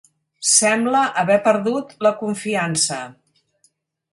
Sembla haver perdut la confiança.